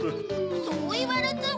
そういわれても。